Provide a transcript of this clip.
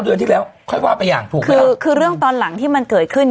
เดือนที่แล้วค่อยว่าไปอย่างถูกคือคือเรื่องตอนหลังที่มันเกิดขึ้น